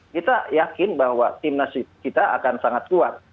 kita yakin bahwa tim nasional kita akan sangat kuat